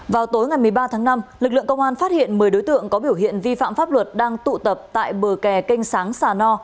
vào tối ngày một mươi ba tháng năm lực lượng công an phát hiện một mươi đối tượng có biểu hiện vi phạm pháp luật đang tụ tập tại bờ kè canh sáng sà no